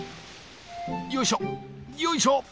よいしょよいしょ。